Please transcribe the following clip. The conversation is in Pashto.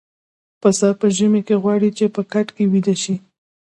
پسه په ژمي کې غواړي چې په کټ کې ويده شي.